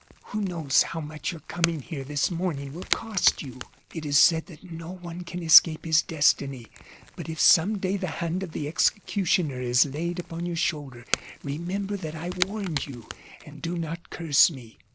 Who knows how much your coming here this morning will cost you? It is said that no one can escape his destiny. But if some day the hand of the executioner is laid upon your shoulder, remember that I warned you, and do not curse me."